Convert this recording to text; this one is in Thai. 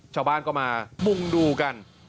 ชาวบ้านก็มามุ่งดูกัน